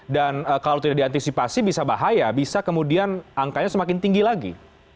dan kalau tidak diantisipasi bisa bahaya bisa kemudian angkanya semakin tinggi lagi